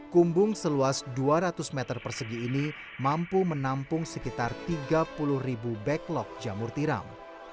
kumbung seluas dua ratus meter persegi ini mampu menampung sekitar tiga puluh ribu backlog jamur tiram